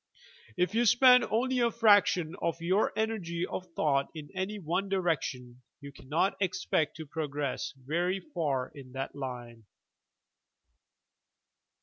If you spend only a fraction of your energy of thought in any one direction, you cannot expect to progress very far in that line.